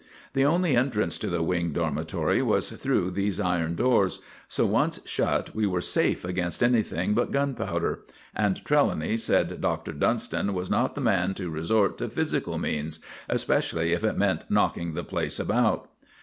The only entrance to the Wing Dormitory was through these iron doors, so once shut we were safe against anything but gunpowder; and Trelawny said Doctor Dunston was not the man to resort to physical means, especially if it meant knocking the place about.